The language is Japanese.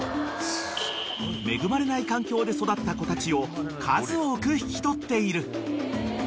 ［恵まれない環境で育った子たちを数多く引き取っている］